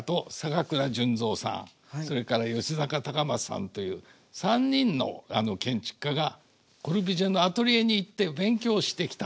それから吉阪隆正さんという３人の建築家がコルビュジエのアトリエに行って勉強してきたんです。